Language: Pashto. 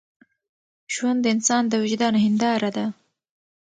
ژوند د انسان د وجدان هنداره ده.